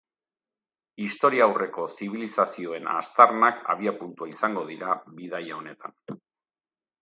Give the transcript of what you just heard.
Historiaurreko zibilizazioen aztarnak abiapuntua izango dira bidaia honetan.